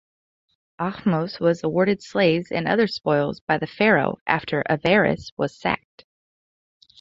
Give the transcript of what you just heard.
Ahmose was awarded slaves and other spoils by the pharaoh after Avaris was sacked.